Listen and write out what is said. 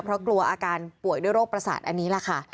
เพราะกลัวอาการป่วยด้วยโรคประสาทอันนี้แหละค่ะ